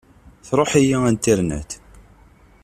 Tṛuḥ-iyi Internet.